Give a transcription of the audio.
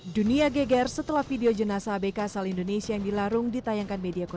dunia geger setelah video jenazah abk asal indonesia yang dilarung ditayangkan media